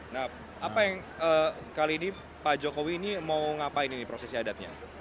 nah apa yang kali ini pak jokowi ini mau ngapain ini prosesi adatnya